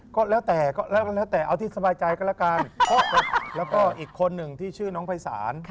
ก็แล้วแต่ก็แล้วแต่เอาที่สบายใจก็แล้วกันแล้วก็อีกคนหนึ่งที่ชื่อน้องภัยศาล